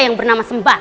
yang bernama sembar